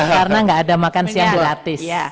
karena nggak ada makan siang gratis